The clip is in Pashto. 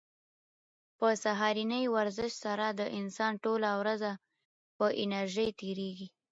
په سهارني ورزش سره د انسان ټوله ورځ په انرژۍ تېریږي.